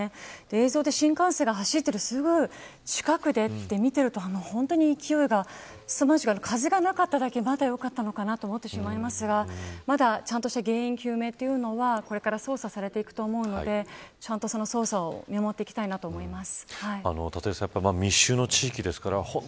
映像で、新幹線が走っているすごい近くで、見ていると本当に勢いがすさまじくて風がなかっただけまだ良かったのかなと思ってしまいますがまだちゃんとした原因究明はこれから捜査されていくと思うのでちゃんとその捜査を見守っていきたいと思います。